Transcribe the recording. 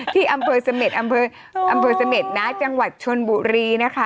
ที่อำเภอเสม็ดอำเภอเสม็ดนะจังหวัดชนบุรีนะคะ